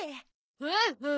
ほうほう。